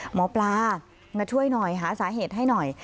หมอปลามาช่วยหน่อยหาสาเหตุให้หน่อย